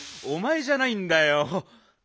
おまえじゃないんだよ。